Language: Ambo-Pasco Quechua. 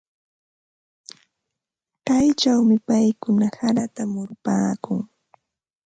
Kaychawmi paykuna harata murupaakun.